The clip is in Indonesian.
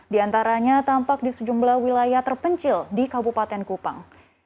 di antaranya tampak di sejumlah wilayah terpencil di kabupaten kupang